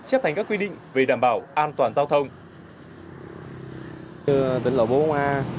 chép thành các quy định về đảm bảo an toàn giao thông